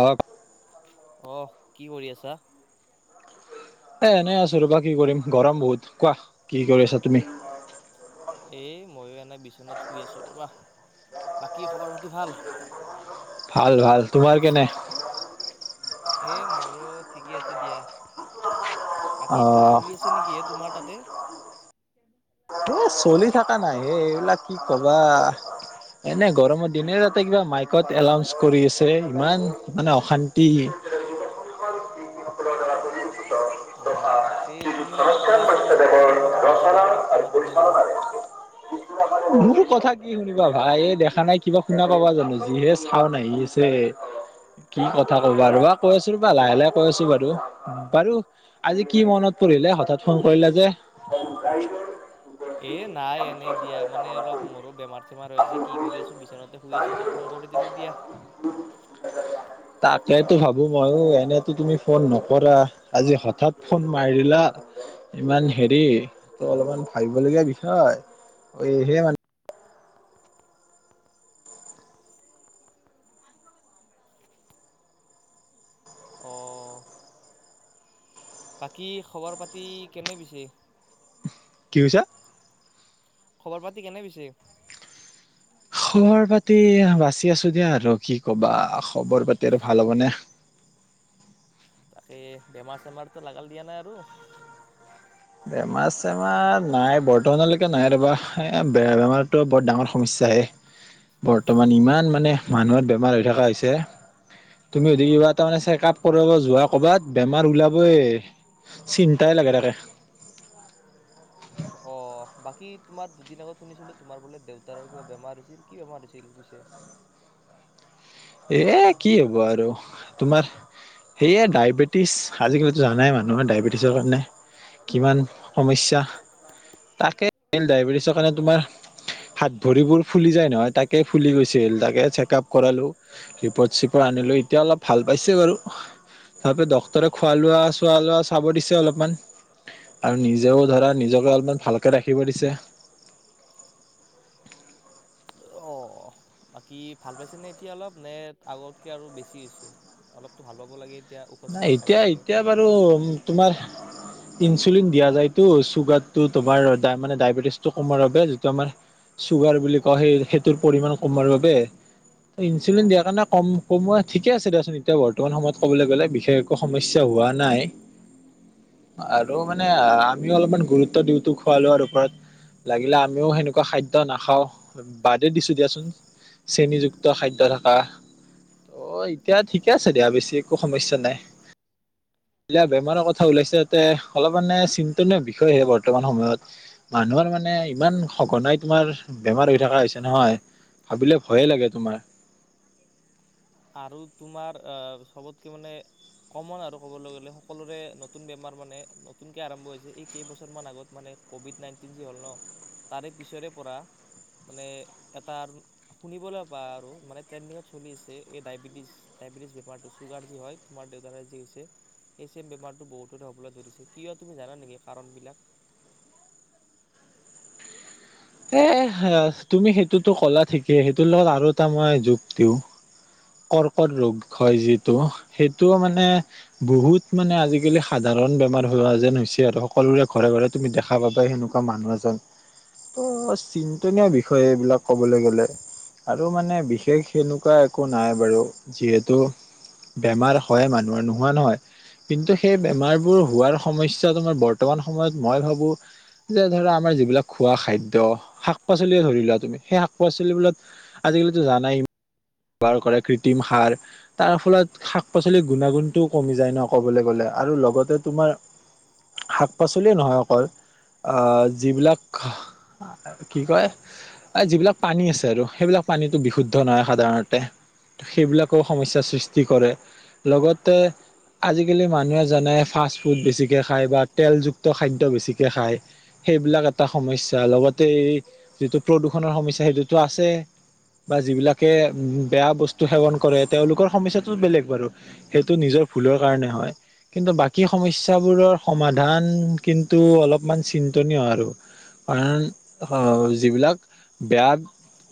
অহ। অহ কি কৰি আছা? এ এনেই আছো ৰ'বা কি কৰিম গৰম বহুত। কোৱা কি কৰি আছা তুমি? এই ময়ো এনেই বিচনাত শুই আছোঁ ৰ'বা। বাকী খবৰ পাতি ভাল? ভাল, ভাল। তোমাৰ কেনে? এ মোৰো ঠিকে আছে দিয়া। অ বাকী কিবা চলি আছে হয় নেকি এ তোমাৰ তাতে, তোমাৰ চলি থাকা নাই হে এইবিলাক কি কবা। এনে গৰমত দিনে ৰাতিয়ে কিবা মাইকত এলাউন্স কৰি আছে, ইমান মানে অশান্তি। [unintelligible] অ', তে তুমি অলপ কোৱাচোন অলপ। তুমি কোৱাচোন বেছিক অলপ তোমাৰ কথাই শুনো। মোৰ কথা কি শুনিবা ভাই। এই দেখা নাই কিবা শুনা পাবা জানো যিহে, চাউণ্ড আহি আছে। কি কথা ক'বা ৰ'বা কৈ আছো ৰ'বা লাহে লাহে কৈ আছো বাৰু, বাৰু আজি কি মনত, পৰিলে হঠাৎ ফোন কৰিলা যে। [inaudible] এ নাই এনে দিয়া মানে অলপ মোৰো বেমাৰ-চেমাৰ হৈ আছে। কি কৰি আছো বিচনাতে শুই আছোটো। ফোন কৰি দিলোঁ দিয়া। তাকেইতো ভাবো মইয়ো এনেতো তুমি ফোন নকৰা। আজি হঠাৎ ফোন মাৰিলা। ইমান হেৰি ত' অলপমান ভাবিব লগীয়া বিষয়। এহে আৰু [inaudible] অ'বাকী খবৰ পাতি কেনে পিছে? কি কৈছা? খবৰ পাতি কেনে পিছে? খবৰ পাতি বাচি আছো দিয়া আৰু কি ক'বা। খবৰ পাতি আৰু ভাল হ'বনে। তাকে বেমাৰ-চেমাৰতো লাগাল দিয়া নাই আৰু। বেমাৰ-চেমাৰ নাই। বৰ্তমানলৈকে নাই ৰ'বা। এ বেমাৰতো বৰ ডাঙৰ সমস্যা হে। বৰ্তমান ইমান মানে মানুহৰ বেমাৰ হৈ থকা হৈছে। তুমি যদি কিবা এটা চেকআপ কৰিব যোৱা কৰ'বাত বেমাৰ ওলাবইয়ে। চিন্তাই লাগে তাকে। অ বাকী তোমাৰ দুদিন আগত শুনিছিলোঁ তোমাৰ বোলে দেউতাৰ কিবা বোলে বেমাৰ হৈছিল কি বেমাৰ হৈছিল পিছে। এ কি হ'ব আৰু তোমাৰ, সেয়াই ডায়বেটিছ আজিকালিতো জানাই মানুহৰ ডায়েবেটিছৰ কাৰণে, কিমান সমস্যা তাকে ডায়বেটিছৰ কাৰণে তোমাৰ, হাত ভৰিবোৰ ফুলি যায় নহয় তাকে ফুলি গৈছিল তাকে চেক আপ কৰালো। ৰিপদ চিপট আনিলোঁ এতিয়া অলপ ভাল পাইছো বাৰু। তাৰপিছত ডক্তৰে খোৱা লোৱা চোৱা লোৱা চাব দিছে অলপমান। আৰু নিজেও ধৰা নিজকে অলপমান ভালকে ৰাখিব দিছে। অ'। বাকী ভাল পাইছে নে এতিয়া অলপ, নে আগতকে আৰু বেছি হৈছে, অলপ টো ভাল পাব লাগে, এতিয়া ঔষধ নাই, চৌষধ খাইছে চাগে এতিয়া-এতিয়া বাৰু তোমাৰ ইনচুলিন দিয়া যায়তটো, চুগাৰটো তোমাৰ দা মানে ডায়বেটিছটো কমাৰ বাবে যিটো আমাৰ চুগাৰ বুলি কয়, সেই সেইটোৰ পৰিমণ কমাৰ বাবে। [unintelligible] ইঞ্চুলিন দিয়াৰ কাৰণে কম কমৱা ঠিকে আছে দেয়াচোন এতিয়া বৰ্তমান সময়ত ক'বলৈ গ'লে। বিশষকে একো সমস্যা হোৱা নাই, আৰু মানে আমিও অলপমান গুৰুত্ব দিওঁটো খুৱা লোৱাৰ ওপৰত, লাগিলে আমি সেনেকুৱা খাদ্য নাখাওঁ। বাদে দিছোঁ দিয়াচোন, চেণীযুক্ত খাদ্য থকা। অ', এতিয়া ঠিকে আছে দিয়া, বেছি একো সমস্যা নাই। এতিয়া বেমাৰৰ কথা ওলাইছে, তাতে অলপ মানে চিন্তন বিষয়হে বৰ্তমান সময়ত। মানুহৰ মানে ইমান সঘনাই তোমাৰ বেমাৰ হৈ থকা হৈছে নহয়, ভাবিলে ভয়ে লাগে তোমাৰ। আৰু তোমাৰ আহ, চবতকে মানে কমৰ আৰু ক'বলৈ গ'লে, সকলোৰে নতুন বেমাৰ মানে নতুনকৈ আৰম্ভ হৈছে, এই কেইবছৰমান আগত মানে কভিড নাইনটিন যে' হ'ল ন', তাৰে পিছৰে পৰা মানে এটা আৰু শুনিবলৈ পা আৰু মানে ট্ৰেডিঙত চলি আছে এই ডায়বেটিছ, ডায়বেটিছ বেমাৰটো চুগাৰ যি হয়, তোমাৰ দেউতাৰ যি হৈছে। সেই চেম বেমাৰটো বহুতৰে হ'বলৈ ধৰিছে, কিয় তুমি জানা নেকি কাৰণ বিলাক? এ তুমি সেইটোতো ক'লা ঠিকেই, সেইটোৰ আৰু এটা মই যোগ দিওঁ। কৰ্কট ৰোগ হয় যিটো, সেইটোও মানে বহুত মানে আজিকালি সাধাৰণ বেমাৰ হোৱা যেন হৈছে আৰু, সকলোৰে ঘৰে-ঘৰে তুমি দেখা পাবাই সেনেকুৱা মানুহ এজন। ত' চিন্তনীয় বিষয়ে এইবিলাক ক'বলৈ গ'লে। আৰু মানে বিশেষ সেনেকুৱা একো নাই বাৰু, যিহেতু বেমাৰ হয় মানুহৰ, নোহোৱা নহয়। কিন্তু সেই বেমাৰবোৰ হোৱাৰ সমস্যা তোমাৰ বৰ্তমান সময়ত মই ভাবোঁ যে ধৰা আমাৰ যিবিলাক খোৱা খা দ্য, পাচলিয়ে ধৰি লোৱা তুমি, সেই শাক-পাচলি বিলাক, আজিকালিতো জানাই ব্যৱহাৰ কৰে, কৃত্ৰিম সাৰ। তাৰ ফলত শাক-পাচলিৰ গুণাগুণটোও কমি যায় ন', ক'বলৈ গ'লে, আৰু লগতে তোমাৰ শাক-পাচলিয়ে নহয় অকল, আহ, যিবিলাক কি কয়, এই যিবিলাক পানী আছে আৰু, সেইবিলাক পানীটো বিশুদ্ধ নহয় সাধাৰ নটে, সেইবিলাকো সমস্যাৰ সৃষ্টি কৰে, লগতে আজিকালি মানুহে জানাই ফাজূ ফুড বেছিকৈ খায়, বা তেলযুক্ত খাদ্য বেছিকে খায়। সেইবিলাক এটা সমস্য, লগতে এই যিটো প্ৰদূষণৰ সমস্যয়া সেইটোতো আছে। বা যিবিলাকে বেয়া বস্তু সেৱন কৰে, তেওঁলোকৰ সমস্যাটো বেলেগ বাৰু। সেইটো নিজৰ ভুলৰ কাৰণে হয়। কিন্তু বাকী সমস্যাবোৰৰ সমাধান কিন্তু অলপমান চিন্তনীয় আৰু। কাৰণ আহ, যিবিলাক বেয়া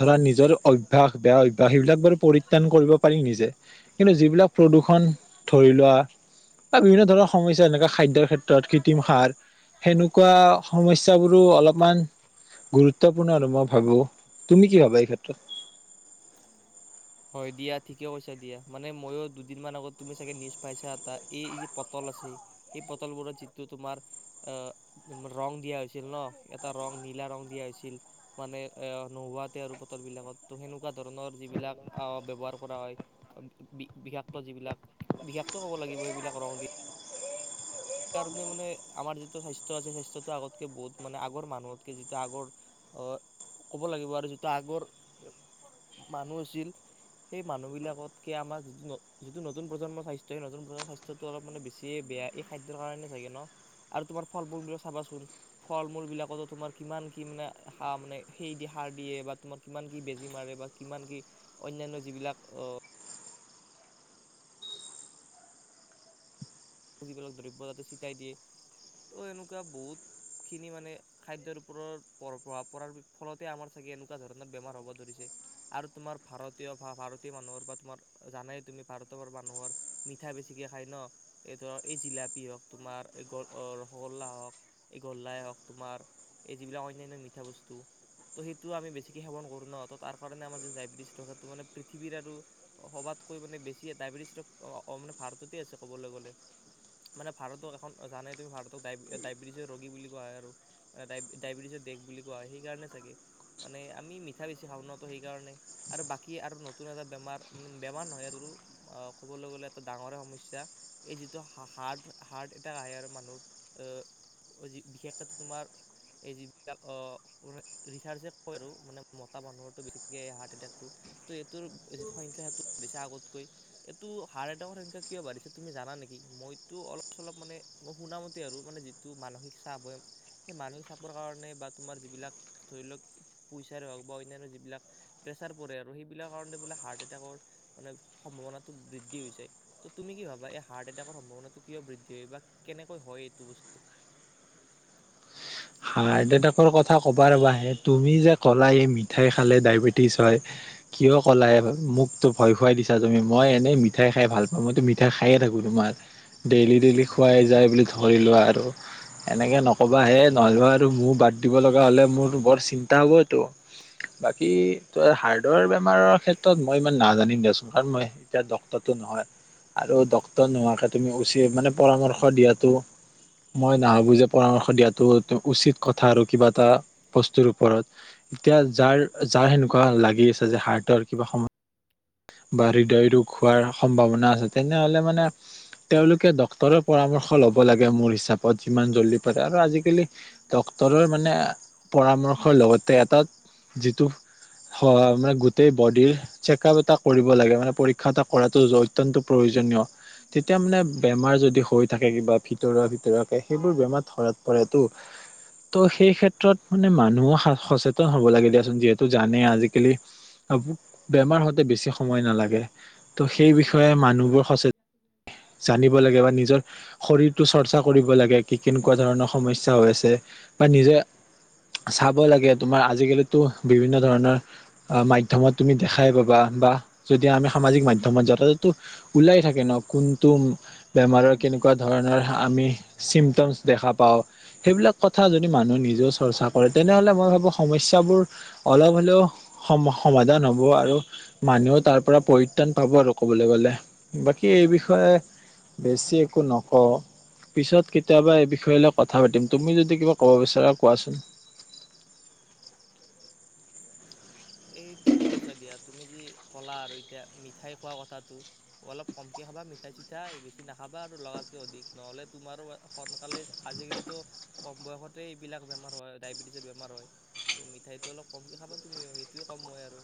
ধৰা নিজৰ অভ্যাস বেয়া অ ভ্যাসন, সেইবিলাক বাৰু পৰিত্ৰাণ কৰিব পাৰিম নিজে, কিন্তু যিবিলাক প্ৰদূষণ ধৰি লোৱা বা বিভিন্ন ধৰণৰ সমস্যা যেনেকা খাদ্যৰ ক্ষেত্ৰত কৃত্ৰিম সাৰ, সেনেকুৱা সমস্যাবোৰো অলপমান গুৰুত্বপূৰ্ণ আৰু মই ভাবোঁ, তুমি কি ভাবা এই ক্ষেত্ৰত? [inaudible] হয় দিয়া, ঠিকে কৈছা দিয়া। মানে মইয়ো দুদিনমান আগত তুমি চাগে নিউজ পাইছা এটা- এই যে পটল আছে, সেই পটলবোৰত যিটো তোমাৰ- আহ ৰং দিয়া হৈছিল ন, এটা ৰং নীলা ৰং দিয়া হৈছিল। মানে এ নোহোৱাতে আৰু বতৰ বিলাকত, ত সেনেকুৱা- ধৰণৰ যিবিলাক আ ব্যৱহাৰ কৰা হয় বিষাক্ত যিবিলাক- বিষাক্ত কব লাগিব সেইবিলাক ৰং দিয়ে। সেইকাৰণে মানে আমাৰ যিটো স্বাস্থ্য আছে, স্বাস্থ্যটো আগতকে বহুত মানে আগৰ মানুহতকে যিটো আগৰ- অঁ, ক'ব লাগিব আৰু যিটো আগৰ মানুহ আছিল- সেই মানুহবিলাকতকে আমাৰ যিটো ন যিটো নতুন প্ৰজন্ম স্বাস্থ্য সেই নতুন প্ৰজন্ম স্বাস্থ্যটো অলপ মানে বেছিয়ে বেয়া। এই- খাদ্যৰ কাৰণে চাগে ন আৰু তোমাৰ ফল -মূল বিলাক চাবাচোন, - ফল- মূল বিলাকতো তোমাৰ কিমান কি মানে সা মানে সেই দি সাৰ দিয়ে বা তোমাৰ কিমান কি বেজি মাৰে বা- কিমান কি অন্যান্য যিবিলাক অঁ- যিবিলাক দ্ৰব্য যাতে ছিটাই দিয়ে। তো এনেকুৱা বহুতখিনি মানে খাদ্যৰ ওপৰত প্ৰভাৱ পৰাৰ ফলতে আমাৰ চাগে এনেকুৱা ধৰণৰ বেমাৰ হ'ব ধৰিছে। আৰু তোমাৰ ভাৰতীয়, ভাৰতীয় মানুহৰ বা তোমাৰ জানাই তুমি ভাৰতৰ মানুহৰ- মিঠাই বেছিকৈ খায় ন। এই ধৰক এই জিলাপী হওঁক, তোমাৰ এই ৰসগোল্লা হওঁক, এই গল্লাই হওঁক, তোমাৰ- এই যিবিলাক অন্যান্য মিঠা বস্তু- ত' সেইটো আমি বেছিকে সেৱন কৰো ন, ত তাৰ কাৰণে আমাৰ ডায়বেটিছ থকাটো মানে পৃথিৱীৰ আৰু- সবাতকৈ মানে বেছিয়ে, ডায়বেটিছ মানে ভাৰততে আছে ক'বলৈ গ'লে। মানে ভাৰতক এখন জানে তুমি ভাৰতক ৰোগী বুলি কোৱা হয় আৰু- ডায়বেটিছৰ দেশ বুলি কোৱা হয় সেইকাৰণে চাগে মানে আমি মিঠা বেছি খাও ন সেইকাৰণে। আৰু বাকী আৰু নতুন এটা বেমাৰ, বেমাৰ নহয় আৰু - ক'বলৈ গ'লে এটা ডাঙৰে সমস্যা। এই যিটো হা- হাৰ্ড হা-ৰ্ড এটা আহে আৰু মানুহৰ যি বিশেষকৈ তোমাৰ- এই যিবিলাক ৰিচাৰ্চে কয় আৰু মানে মতা মানুহৰো বেছিকৈ হাৰ্ট এটেকটো- ত এইটোৰ যিটো সংখ্যা আগতকৈ এইটো হাৰ্ট এটাক সংখ্যা কিয় বাঢ়িছে? তুমি জানা নেকি? মইতো অলপ- চলপ মানে মই শুনামতে আৰু মানে যিটো মানসিক চাপ হয়, - সেই মানসিক চাপৰ কাৰণে বা তোমাৰ যিবিলাক ধৰি লওঁক পইচাৰে হওঁক বা অন্যান্য যিবিলাক- প্ৰেছাৰ পৰে আৰু সেইবিলাক কাৰণে বোলে হাৰ্ট এটেকৰ- মানে সম্ভাৱনাটো বৃদ্ধি হৈছে। ত তুমি কি ভাব- বা, এই হাৰ্ট এটেকৰ সম্ভাৱনাটো কিয় বৃদ্ধি হয় বা কেনেকৈ হয় এইটো বস্তু? হাৰ্ট এটেক কথা কব ৰবাহে, তুমি যে ক'লাই এই মিঠাই খালে ডায়বেটিছ হয়, - কিয় ক'লাই? মোকতো ভয় খুৱাই দিছা তুমি, মই এনেই মিঠাই খাই ভাল পাওঁ, মইতো মিঠাই খায়ে থাকোঁ তোমাৰ। ডেইলি, ডেইলি খুৱাই যায় বুলি ধৰি লোৱা আৰু এনেকৈ নক'বাহে। নহয় বা আৰু মোৰ বাদ দিব লগা হ'লে মোৰ বৰ চিন্তা হ'ব। ত বাকী তো হাৰ্টৰ বেমাৰৰ ক্ষেত্ৰত মই ইমান নাজানিম দিয়াচোন। কাৰণ মই- এতিয়া ডক্টৰটো নহয়। আৰু ডক্তৰ নোহোৱাকে তুমি উচি মানে পৰামৰ্শ দিয়াটো- মই নাভাবোঁ যে পৰামৰ্শ দিয়াটো উচিত কথা আৰু কিবা এটা- বস্তুৰ ওপৰত। এতিয়া যাৰ -যাৰ সেনেকুৱা লাগি আছে যে হাৰ্টৰ কিবা সমস্যা- বা হৃদয় ৰোগ হোৱাৰ সম্ভাৱনা আছে। তেনেহলে মানে- তেওঁলোকে ডক্তৰৰ পৰামৰ্শ ল'ব লাগে মোৰ হিচাপত যিমান জল্দি- আৰু আজিকালি ডক্তৰৰ মানে পৰামৰ্শৰ লগত- তে এটাত যিটো হ মানে গোটেই বডিৰ চেক- হিচাপ এটা কৰিব লাগে মানে পৰীক্ষা এটা কৰাটো অত্যয়ন্ত প্ৰয়োজনীয় তেতিয়া মানে বেমাৰ যদি হৈ থাকে কিবা ভিতৰুৱা ভিতৰুৱাকে সেইবোৰ বেমাৰ ধৰাত পৰেতো ত সেই ক্ষেত্ৰত মানে মানুহো সা সচেতন হ'ব লাগে দিয়াচোন যিহেতু জানেই আজিকালি বেমাৰ হতে বেছি সময় নালাগে। ত' সেই বিষয়ে মানুহবোৰ সচে জানিব লাগে বা নিজৰ শৰীৰটো চৰ্চা কৰিব লাগে কি কেনেকুৱা ধৰণৰ সমস্যা হৈ আছে বা নিজে চাব লাগে তোমাৰ আজিকালিটো বিভিন্ন ধৰণৰ মাধ্যমত তুমি দেখাই পাবা বা যদি আমি সামাজিক মাধ্যমত যাওঁ তাতেতো ওলাই থাকে ন কোনটো বেমাৰৰ কেনেকুৱা ধৰণৰ আমি চিমটমছ দেখা পাও সেইবিলাক কথা যদি মানুহে নিজেও চৰ্চা কৰে তেনেহলে মই ভাবো সমস্যাবোৰ অলপ হ'লেও সম সমাধান হ'ব আৰু মানুহত তাৰপৰা পৰিত্ৰাণ পাব আৰু ক'বলে গলে বাকী এই বিষয়ে বেছি একো নকওঁ পিছত কেতিয়াবা এই বিষয়ে লৈ কথা পাতিম তুমি যদি কিবা ক'ব বিচাৰা কোৱাচোন এই ঠিকে কৈছা দিয়া তুমি যি ক'লা আৰু এতিয়া মিঠাই খোৱা কথাটো অলপ কমকে খাবা মিঠাই চিঠাই বেছি নাখাবা আৰু লগাতকৈ অধিক নহ'লে তোমাৰো সোনকালে আজিকালিতো কম বয়সতেই এইবিলাক বেমাৰ হয় ডায়েবেটিছৰ বেমাৰ হয় তো মিঠাইটো অলপ কমকে খাবা তুমিও সেইটোৱে কম মই আৰু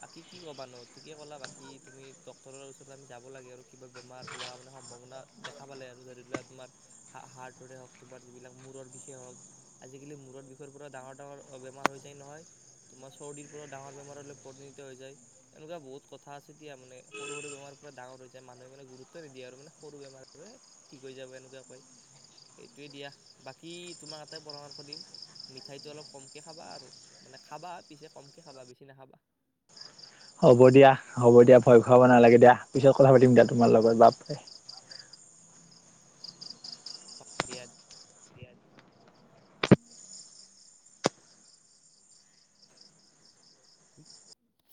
বাকী কি ক'বা নো ঠিকে ক'লা বাকী তুমি ডক্টৰৰ ওচৰতে আমি যাব লাগে আৰু কিবা বেমাৰ হোৱা মানে সম্ভাৱনা দেখা পালে আৰু ধৰি লোৱা তোমাৰ হা হাৰ্টৰে হওক তোমাৰ যিবিলাক মূৰৰ বিষে হওক আজিকালি মূৰত বিষৰ পৰা ডাঙৰ ডাঙৰ বেমাৰ হৈ যায় নহয় তোমাৰ চৰ্দীৰ পৰাও ডাঙৰ বেমাৰলৈ পৰিণত হৈ যায় এনেকুৱা বহুত কথা আছে এতিয়া মানে সৰু সৰু বেমাৰৰ পৰা ডাৰ হৈ যায় মানুহে মানে গুৰুত্ব নিদিয়ে আৰু মানে সৰু বেমাৰৰে কি কৰি যাব এনেকুৱা কয় সেইটোৱে দিয়া বাকী তোমাক এটাই পৰামৰ্শ দিম মিঠাইটো অলপ কমকে খাবা আৰু মানে খাবা পিছে কমকে খাবা বেছি নাখাবা হ'ব দিয়া হ'ব দিয়া ভয় খুৱাব নালাগে দিয়া পিছত কথা পাতিম দিয়া তোমাৰ লগত বাৰে হব দিয়ায়